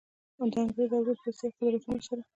د انګریز او روس په څېر قدرتونو سره.